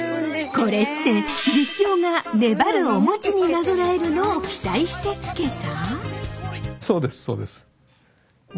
これって実況が粘るおモチになぞらえるのを期待して付けた？